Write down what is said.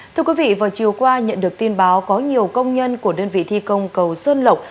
thưa quý vị vào chiều qua nhận được tin báo có nhiều công nhân của đơn vị thi công cầu sơn lộc